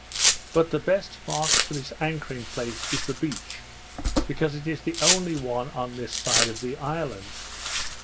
But the best mark for this anchoring place is the beach, because it is the only one on this side of the island.